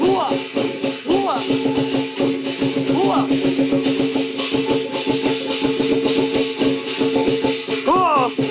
หัวหัวหัวหัวหัว